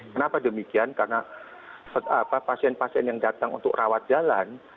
kenapa demikian karena pasien pasien yang datang untuk rawat jalan